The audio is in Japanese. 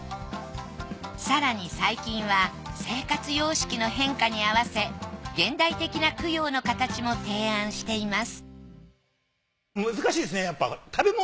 更に最近は生活様式の変化に合わせ現代的な供養の形も提案しています